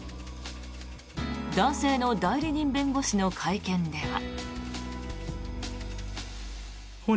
男性の代理人弁護士の会見では。